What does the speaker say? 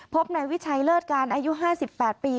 พบนายวิชัยเลิศการอายุ๕๘ปี